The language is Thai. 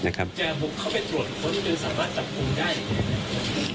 จะบุกเข้าไปทรวจเพราะที่จะสามารถจับกลุ่มได้